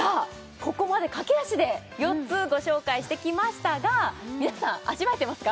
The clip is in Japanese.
ここまで駆け足で４つご紹介してきましたが皆さん味わえてますか？